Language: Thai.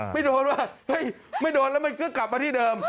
ไม่โดนว่าเฮ้ยไม่โดนแล้วมันก็กลับมาที่เดิม